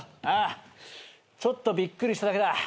ああちょっとびっくりしただけだ。